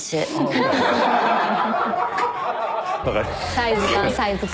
サイズ感サイズ感。